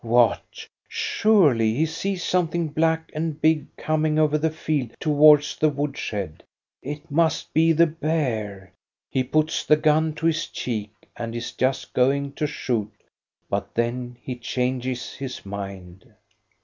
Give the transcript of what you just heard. What! surely he sees something black and big coming over the field towards the woodshed ; it must be the bear. He puts the gun to his cheek and is just going to shoot, but then he changes his mind.